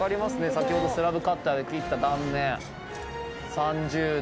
先ほどスラブカッターで切った断面、３０度。